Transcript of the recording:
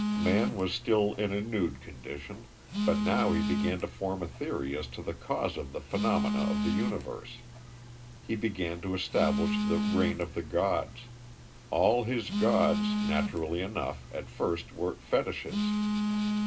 Man was still in a nude condition. But now he began to form a theory as to the cause of the phГҰnomena of the universe. He began to establish the reign of the gods. All his gods, naturally enough, at first were fetishes.